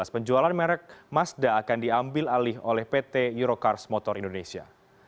penjualan merek mazda akan diambil alih oleh pt eurocars motor indonesia